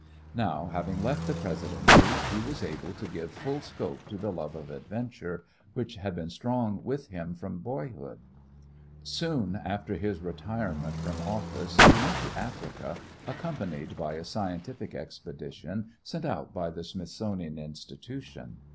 Now, having left the Presidency, he was able to give full scope to the love of adventure, which had been strong with him from boyhood. Soon after his retirement from office he went to Africa, accompanied by a scientific expedition sent out by the Smithsonian Institution.